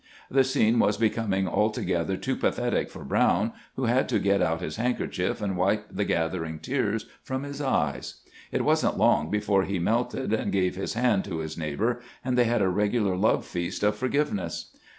The scene was becoming altogether too pathetic for Brown, who had to get out his handkerchief and wipe the gathering tears from his eyes. It was n't long be fore he melted, and gave his hand to his neighbor, and they had a regular love feast of forgiveness.